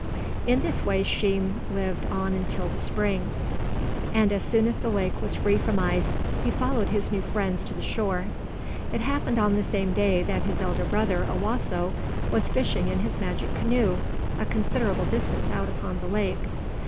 In this way Sheem lived on till the spring, and as soon as the lake was free from ice, he followed his new friends to the shore. It happened on the same day that his elder brother, Owasso, was fishing in his magic canoe, a considerable distance out upon the lake.